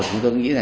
chúng tôi nghĩ là